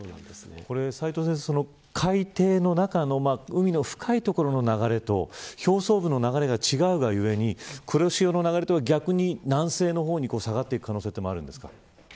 斎藤先生、海底の海の深い所の流れと表層部の流れが違うがゆえに黒潮の流れとは逆に南西方向に下がる可能性もあるんですか。